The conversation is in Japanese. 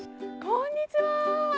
こんにちは。